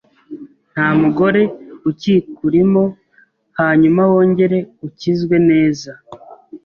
nta mugore ukikurimo hanyuma wongere ukizwe neza